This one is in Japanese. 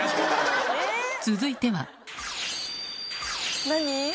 続いては何？